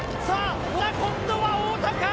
今度は太田か！